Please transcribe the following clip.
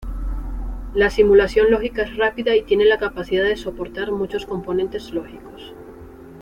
La simulación lógica es rápida y tiene la capacidad de soportar muchos componentes lógicos.